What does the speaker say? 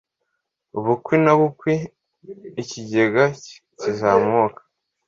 Bukwi na bukwi, ikigega kirazamuka.